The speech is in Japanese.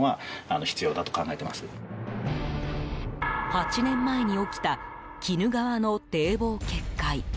８年前に起きた鬼怒川の堤防決壊。